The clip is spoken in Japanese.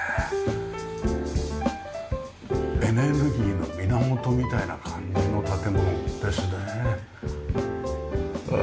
エネルギーの源みたいな感じの建物ですね。